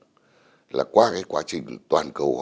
đó là qua cái quá trình toàn cầu hóa